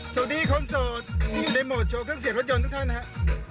สวัสดีคอมโซทอยู่ในโหมดโชว์เครื่องเสียงรถยนต์ทุกท่านนะฮะ